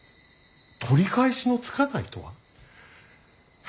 取り返しのつかないとは？